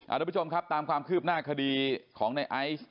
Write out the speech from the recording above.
ทุกผู้ชมครับตามความคืบหน้าคดีของในไอซ์